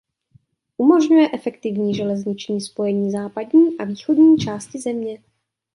Umožňuje efektivní železniční spojení západní a východní části země.